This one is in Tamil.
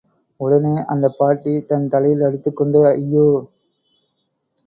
உடனே அந்தப் பாட்டி, தன் தலையில் அடித்துக் கொண்டு, ஐயோ!